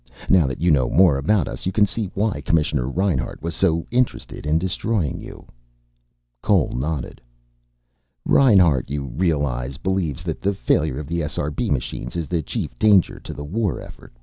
Now that you know more about us you can see why Commissioner Reinhart was so interested in destroying you." Cole nodded. "Reinhart, you realize, believes that the failure of the SRB machines is the chief danger to the war effort.